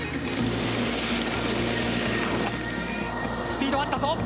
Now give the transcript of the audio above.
スピードはあったぞ。